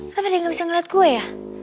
kenapa dia gak bisa liat gue ya